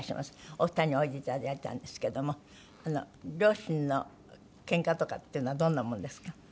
お二人においでいただいたんですけども両親のけんかとかっていうのはどんなもんですか？